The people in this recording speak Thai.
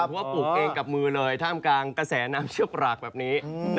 เพราะว่าปลูกเองกับมือเลยท่ามกลางกระแสน้ำเชือกปรากแบบนี้